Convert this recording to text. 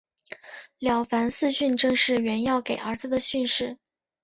了凡四训正是袁要给儿子的训示。